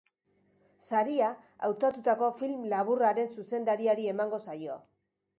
Saria hautatutako film laburraren zuzendariari emango zaio.